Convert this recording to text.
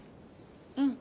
うん。